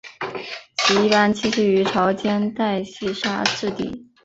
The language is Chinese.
其一般栖息于潮间带细砂质底。